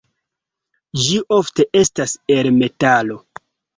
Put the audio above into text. Ĝi ofte estas el metalo.